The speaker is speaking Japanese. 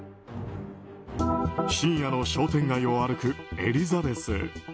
深夜の商店街を歩くエリザベス。